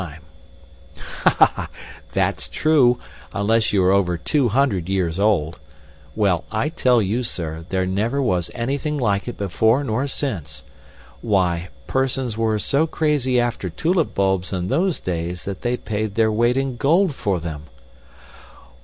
that's true, unless you are over two hundred years old. Well, I tell you, sir, there never was anything like it before nor since. Why, persons were so crazy after tulip bulbs in those days that they paid their weight in gold for them."